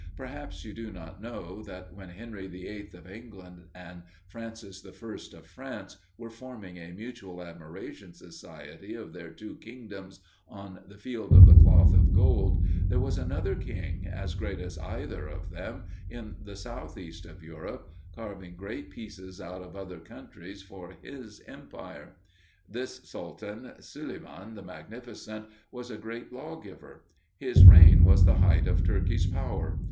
Perhaps you do not know that, when Henry the Eighth of England and Francis the First of France were forming a mutual admiration society of their two kingdoms on the Field of the Cloth of Gold, there was another king, as great as either of them, in the southeast of Europe, carving great pieces out of other countries for his empire. This sultan, Suleiman the Magnificent, was a great lawgiver. His reign was the height of Turkey's power.